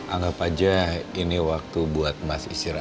anggap aja ini waktu buat mas istirahat